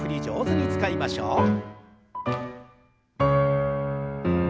上手に使いましょう。